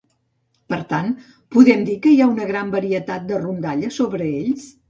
Per tant, podem dir que hi ha una gran varietat de rondalles sobre ells?